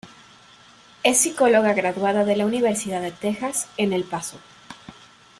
Es psicóloga graduada de la Universidad de Texas en El Paso.